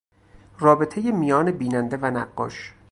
رابطهی میان بیننده و نقاشی